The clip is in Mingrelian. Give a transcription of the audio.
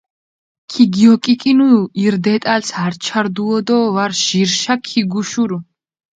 ქიგიოკიკინუ ირ დეტალს, ართშა რდუო დო ვარ ჟირშა ქიგუშურუ.